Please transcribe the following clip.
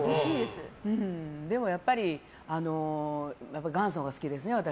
でもやっぱり、元祖が好きですね私。